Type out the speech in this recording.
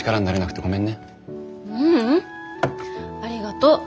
ありがとう。